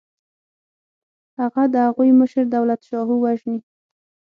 هغه د هغوی مشر دولتشاهو وژني.